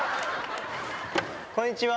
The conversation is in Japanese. こんにちは。